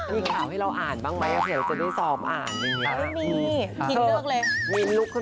มีข่าวให้เราอ่านบ้างไหมเหมือนว่าเจนี่ซอบอ่านแบบนี้